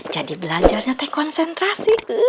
jadi belajarnya teh konsentrasi